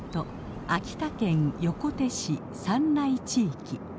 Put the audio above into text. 秋田県横手市山内地域。